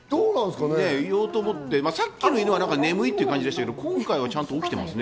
言おうと思って、さっきの犬は眠いって感じでしたけど、今回の犬は起きてますね。